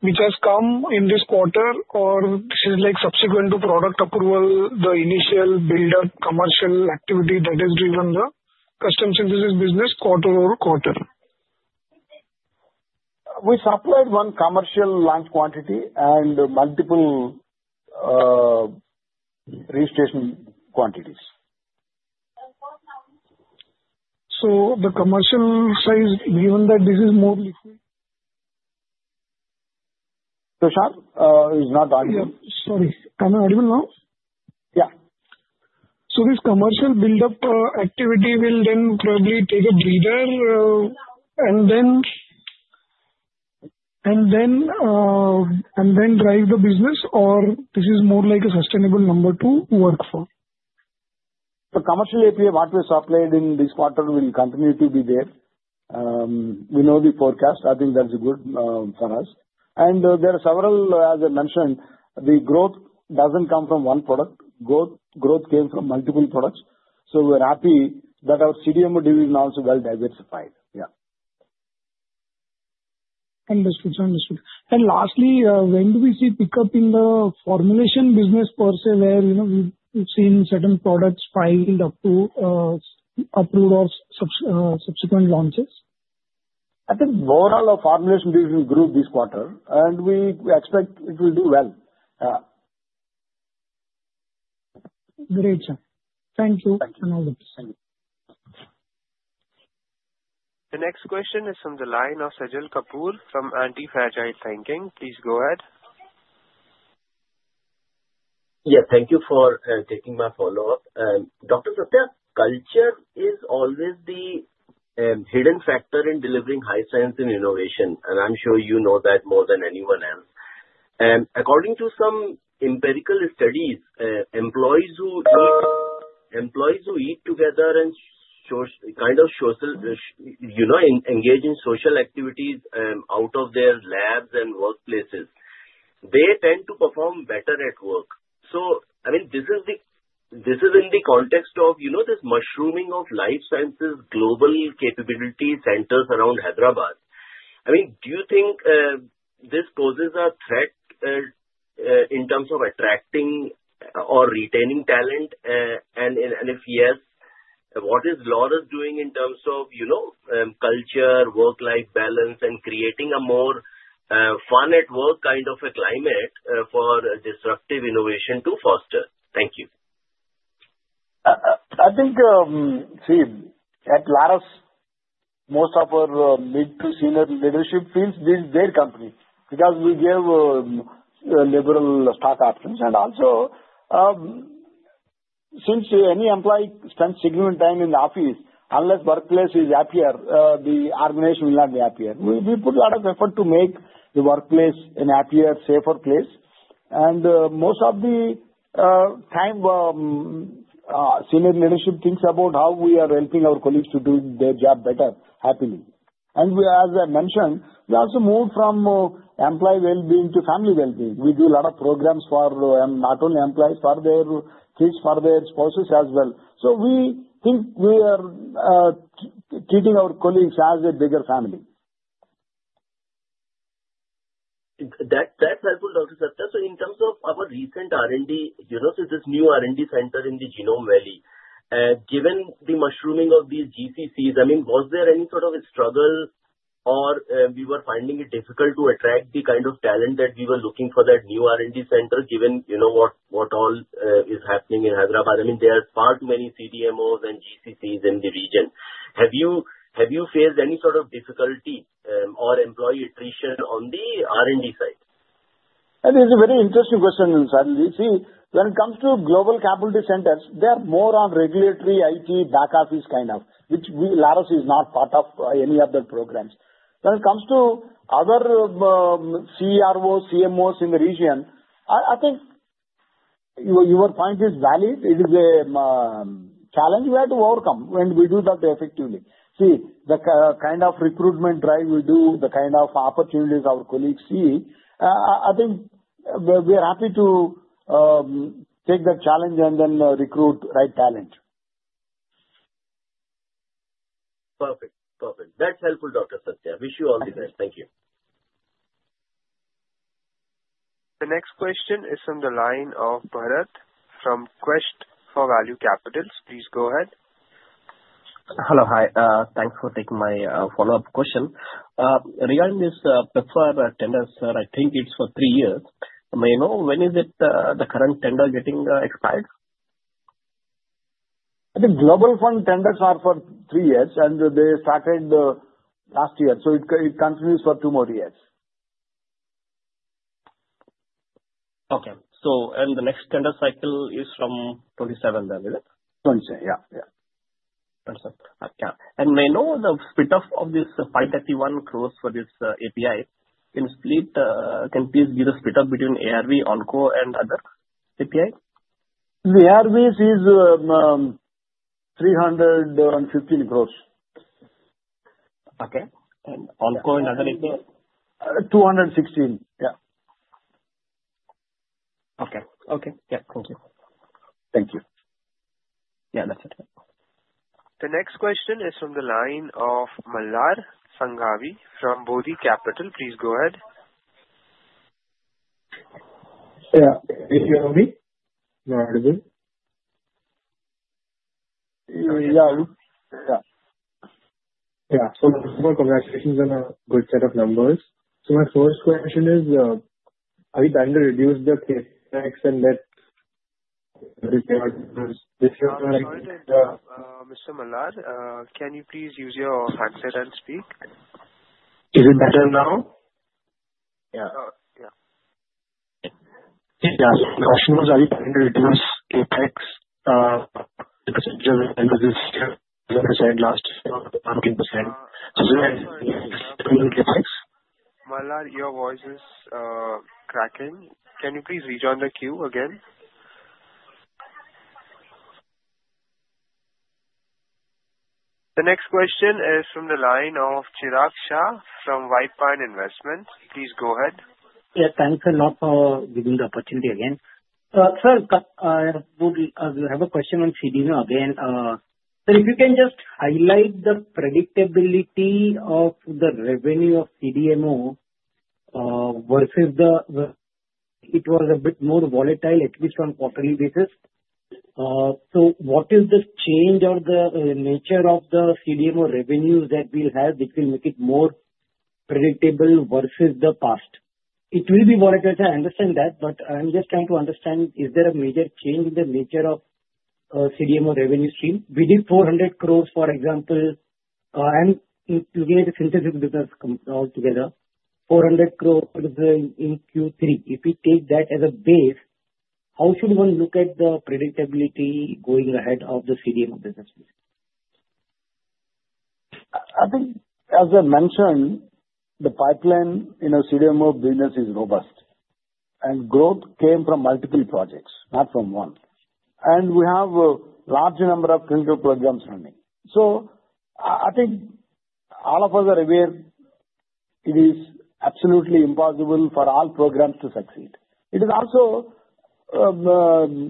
which has come in this quarter, or this is subsequent to product approval, the initial build-up commercial activity that has driven the custom synthesis business quarter-over-quarter? We supplied one commercial large quantity and multiple registration quantities. So the commercial size, given that this is more liquid? Tushar is not audible. Yeah. Sorry. Can I audible now? Yeah. So this commercial build-up activity will then probably take a breather and then drive the business, or this is more like a sustainable number to work for? The commercial API, what we supplied in this quarter, will continue to be there. We know the forecast. I think that's good for us, and there are several, as I mentioned, the growth doesn't come from one product. Growth came from multiple products, so we're happy that our CDMO division also well-diversified. Yeah. Understood. Understood. And lastly, when do we see pickup in the formulation business per se, where we've seen certain products piled up to approval of subsequent launches? I think overall, our formulation business grew this quarter, and we expect it will do well. Great, sir. Thank you. Thank you. All the best. Thank you. The next question is from the line of Sajal Kapoor from Antifragile Thinking. Please go ahead. Yeah. Thank you for taking my follow-up. Dr. Satya, culture is always the hidden factor in delivering high science and innovation. And I'm sure you know that more than anyone else. And according to some empirical studies, employees who eat together and kind of engage in social activities out of their labs and workplaces, they tend to perform better at work. So, I mean, this is in the context of this mushrooming of life sciences global capability centers around Hyderabad. I mean, do you think this poses a threat in terms of attracting or retaining talent? And if yes, what is Laurus doing in terms of culture, work-life balance, and creating a more fun-at-work kind of a climate for disruptive innovation to foster? Thank you. I think, see, at Laurus, most of our mid to senior leadership feels this is their company because we give liberal stock options. Also, since any employee spends significant time in the office, unless the workplace is up here, the organization will not be up here. We put a lot of effort to make the workplace an up here, safer place. Most of the time senior leadership thinks about how we are helping our colleagues to do their job better, happily. As I mentioned, we also moved from employee well-being to family well-being. We do a lot of programs for not only employees, but for their kids, for their spouses as well. We think we are treating our colleagues as a bigger family. That's helpful, Dr. Satya. So in terms of our recent R&D, so this new R&D center in the Genome Valley, given the mushrooming of these GCCs, I mean, was there any sort of a struggle, or we were finding it difficult to attract the kind of talent that we were looking for that new R&D center, given what all is happening in Hyderabad? I mean, there are far too many CDMOs and GCCs in the region. Have you faced any sort of difficulty or employee attrition on the R&D side? That is a very interesting question, Sajal. See, when it comes to Global Capability Centers, they are more on regulatory IT back office kind of, which Laurus is not part of any of the programs. When it comes to other CROs, CMOs in the region, I think your point is valid. It is a challenge we have to overcome when we do that effectively. See, the kind of recruitment drive we do, the kind of opportunities our colleagues see, I think we're happy to take that challenge and then recruit the right talent. Perfect. Perfect. That's helpful, Dr. Satya. Wish you all the best. Thank you. The next question is from the line of Bharat from Quest for Value Capital. Please go ahead. Hello. Hi. Thanks for taking my follow-up question. Regarding this PEPFAR tender, sir, I think it's for three years. May I know when is the current tender getting expired? The Global Fund tenders are for three years, and they started last year. So it continues for two more years. Okay. And the next tender cycle is from 27, then? Yeah. Yeah. Perfect. Yeah, and may I know the split-up of this 531 growth for this API? Can you please give the split-up between ARV, Onco, and other API? The ARV is 315 growth. Okay. And Onco and other API? 216. Yeah. Okay. Okay. Yeah. Thank you. Thank you. Yeah. That's it. The next question is from the line of Malhar Sanghavi from Bodhi Capital. Please go ahead. Yeah. If you hear me. You're audible. So first of all, congratulations on a good set of numbers. So my first question is, have you tried to reduce the CapEx in that report? Mr. Malhar, can you please use your handset and speak? Is it better now? Yeah. Yeah. Yeah. The question was, have you tried to reduce CapEx percentage at the end of this year? 7% last year, 17%. So is it better than CapEx? Malhar, your voice is cracking. Can you please rejoin the queue again? The next question is from the line of Chirag Shah from White Pine Investment Management. Please go ahead. Yeah. Thanks a lot for giving the opportunity again. Sir, I have a question on CDMO again. Sir, if you can just highlight the predictability of the revenue of CDMO versus how it was a bit more volatile, at least on quarterly basis. So what is the change or the nature of the CDMO revenues that we'll have which will make it more predictable versus the past? It will be volatile. I understand that, but I'm just trying to understand, is there a major change in the nature of CDMO revenue stream? We did 400 crores, for example, and looking at the synthesis business altogether, 400 crores in Q3. If we take that as a base, how should one look at the predictability going ahead of the CDMO business? I think, as I mentioned, the pipeline in the CDMO business is robust, and growth came from multiple projects, not from one. And we have a large number of clinical programs running. So I think all of us are aware it is absolutely impossible for all programs to succeed. It is also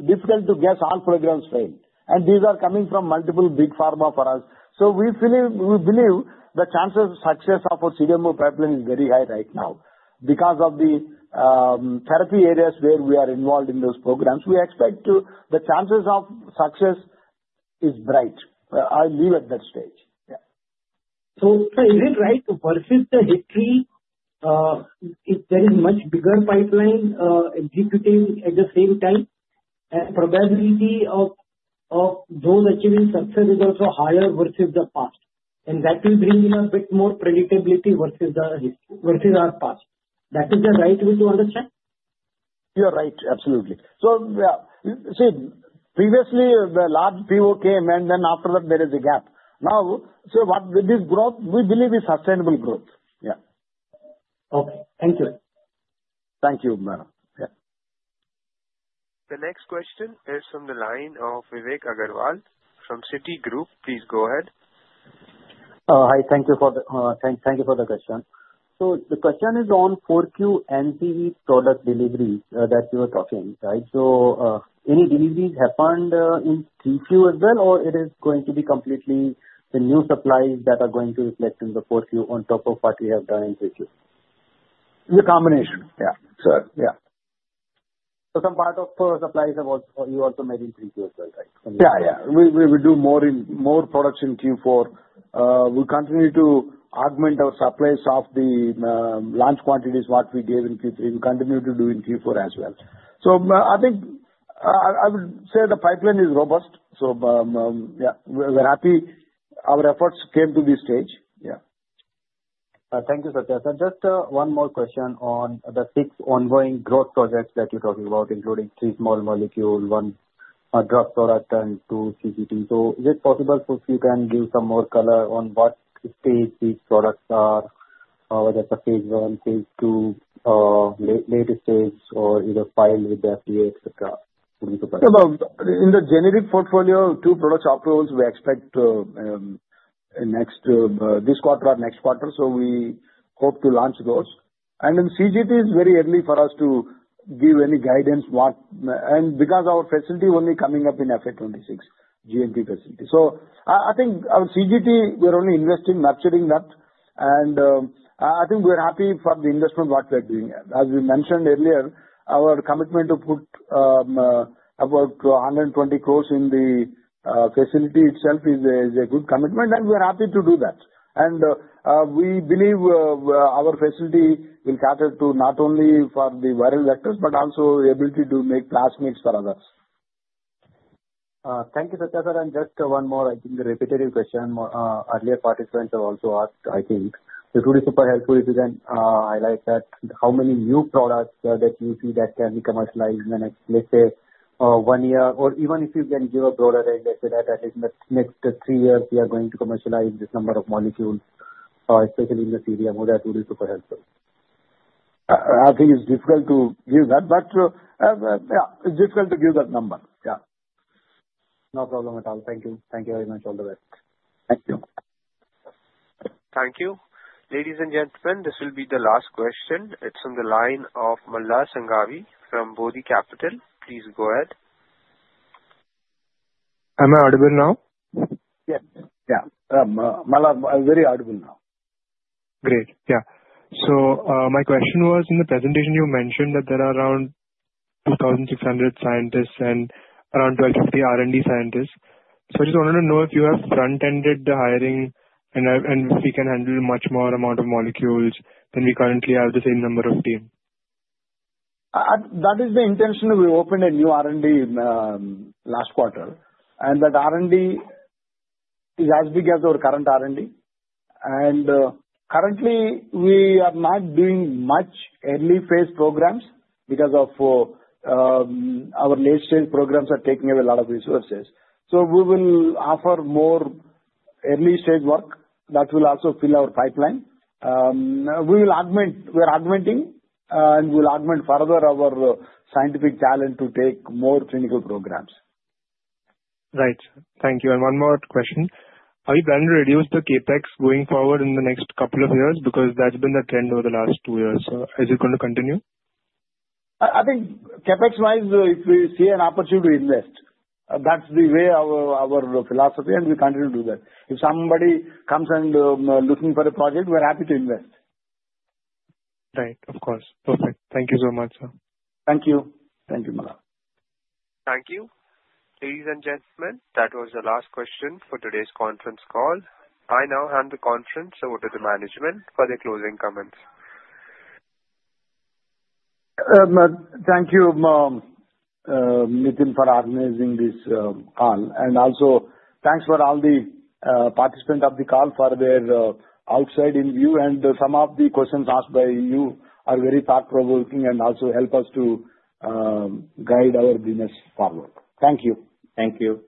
difficult to guess all programs fail. And these are coming from multiple big pharma for us. So we believe the chances of success of a CDMO pipeline is very high right now because of the therapy areas where we are involved in those programs. We expect the chances of success are bright. I'll leave it at that stage. Yeah. Is it right to worship the history if there is a much bigger pipeline executing at the same time? The probability of those achieving success is also higher versus the past. That will bring in a bit more predictability versus our past. That is the right way to understand? You're right. Absolutely. So yeah. See, previously, the large PO came, and then after that, there is a gap. Now, so this growth, we believe, is sustainable growth. Yeah. Okay. Thank you. Thank you. Yeah. The next question is from the line of Vivek Agarwal from Citigroup. Please go ahead. Hi. Thank you for the question. So the question is on 4Q NTV product deliveries that you were talking, right? So any deliveries happened in 3Q as well, or it is going to be completely the new supplies that are going to reflect in the 4Q on top of what we have done in 3Q? The combination. Yeah. So yeah. So some part of supplies you also made in 3Q as well, right? Yeah. Yeah. We do more products in Q4. We continue to augment our supplies of the large quantities what we gave in Q3. We continue to do in Q4 as well. So I think I would say the pipeline is robust. So yeah, we're happy our efforts came to this stage. Yeah. Thank you, Satya. So just one more question on the six ongoing growth projects that you're talking about, including three small molecules, one drug product, and two CGTs. So is it possible if you can give some more color on what stage these products are, whether it's a phase one, phase two, later stages, or either filed with the FDA, etc.? In the generic portfolio, two products approvals, we expect this quarter or next quarter, so we hope to launch those. Then CGT is very early for us to give any guidance, and because our facility is only coming up in FY2026, GMP facility, so I think our CGT, we're only investing, nurturing that. And I think we're happy for the investment what we're doing. As we mentioned earlier, our commitment to put about 120 crore in the facility itself is a good commitment, and we're happy to do that. And we believe our facility will cater to not only for the viral vectors, but also the ability to make plasmids for others. Thank you, Satya. Sir, and just one more, I think, repetitive question. Earlier participants have also asked, I think. It would be super helpful if you can highlight how many new products that you see that can be commercialized in the next, let's say, one year, or even if you can give a broader range, let's say that at least in the next three years, we are going to commercialize this number of molecules, especially in the CDMO. That would be super helpful. I think it's difficult to give that. But yeah, it's difficult to give that number. Yeah. No problem at all. Thank you. Thank you very much. All the best. Thank you. Thank you. Ladies and gentlemen, this will be the last question. It's from the line of Malhar Sanghavi from Bodhi Capital. Please go ahead. Am I audible now? Yeah. Malhar, I'm very audible now. Great. Yeah. So my question was, in the presentation, you mentioned that there are around 2,600 scientists and around 1,250 R&D scientists. So I just wanted to know if you have front-ended the hiring and if we can handle a much more amount of molecules than we currently have the same number of team? That is the intention. We opened a new R&D last quarter, and that R&D is as big as our current R&D. Currently, we are not doing much early-phase programs because our late-stage programs are taking away a lot of resources, so we will offer more early-stage work that will also fill our pipeline. We are augmenting, and we'll augment further our scientific talent to take more clinical programs. Right. Thank you. And one more question. Are you planning to reduce the CapEx going forward in the next couple of years? Because that's been the trend over the last two years. So is it going to continue? I think CapEx-wise, if we see an opportunity to invest, that's the way our philosophy, and we continue to do that. If somebody comes and is looking for a project, we're happy to invest. Right. Of course. Perfect. Thank you so much, sir. Thank you. Thank you, Malhar. Thank you. Ladies and gentlemen, that was the last question for today's conference call. I now hand the conference over to the management for their closing comments. Thank you, Nitin, for organizing this call. And also, thanks for all the participants of the call for their outside in view. And some of the questions asked by you are very thought-provoking and also help us to guide our business forward. Thank you. Thank you.